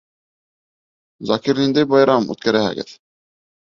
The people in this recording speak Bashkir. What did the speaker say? — Закир, ниндәй байрам үткәрәһегеҙ?